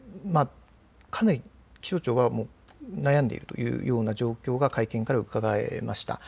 かなり気象庁は悩んでいるというような状況が会見から伺えました。